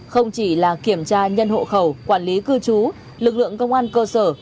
không chỉ là kiểm tra nhân hộ khẩu quản lý cư trú lực lượng công an cơ sở